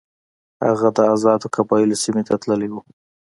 هغه د آزادو قبایلو سیمې ته تللی وو.